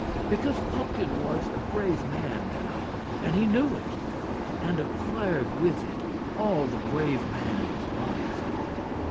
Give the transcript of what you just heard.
Because Pupkin was a brave man now and he knew it and acquired with it all the brave man's modesty.